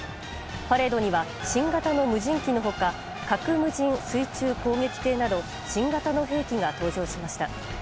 パレードには新型の無人機の他核無人水中攻撃艇など新型の兵器が登場しました。